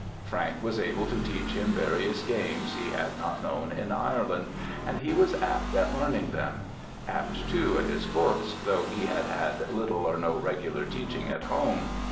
Frank was able to teach him various games he had not known in Ireland, and he was apt at learning them; apt, too, at his books, though he had had little or no regular teaching at home.